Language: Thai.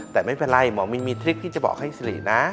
แต่ไม่เป็นไรหมอมีนมีทริคที่จะบอกให้สิรินะ